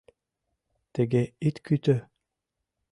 — Тыге ит кӱтӧ!